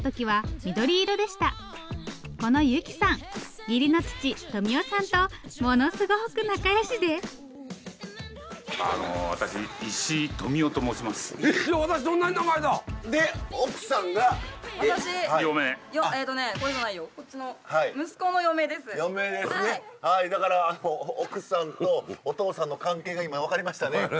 はいだから奥さんとお父さんの関係が今分かりましたね。